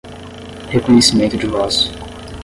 Reconhecimento de voz.